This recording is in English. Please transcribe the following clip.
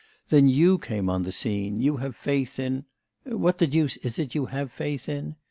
Then you came on the scene, you have faith in what the deuce is it you have faith in?...